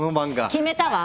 決めたわ！